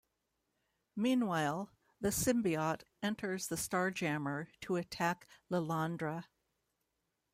Meanwhile, the Symbiote enters the Starjammer to attack Lilandra.